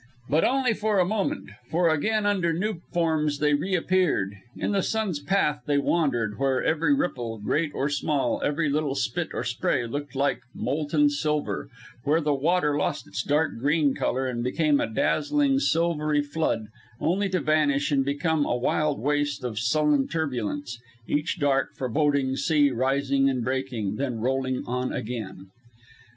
But only for a moment, for again under new forms they reappeared. In the sun's path they wandered, where every ripple, great or small, every little spit or spray looked like molten silver, where the water lost its dark green color and became a dazzling, silvery flood, only to vanish and become a wild waste of sullen turbulence, each dark foreboding sea rising and breaking, then rolling on again.